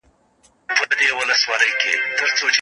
د ارغستان بند د سردارمحمد داؤد خان رحمه الله په دور کي منظوره سو